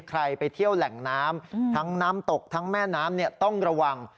ใครไปเที่ยวแหล่งน้ำทั้งน้ำตกทั้งแม่น้ำต้องระวัง